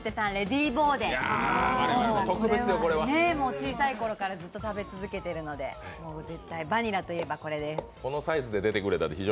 小さい頃からずっと食べ続けているので、絶対、バニラといえばこれです。